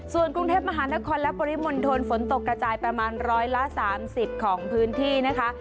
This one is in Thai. ส่วนกรุงเทพมหานครและปริมณฑลฝนตกกระจายประมาณ๑๓๐ของพื้นที่นะคะ